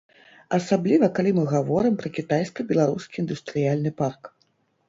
Асабліва калі мы гаворым пра кітайска-беларускі індустрыяльны парк.